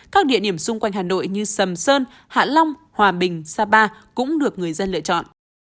các địa điểm xung quanh hà nội như sầm sơn hạ long hòa bình sa ba cũng được người dân lựa chọn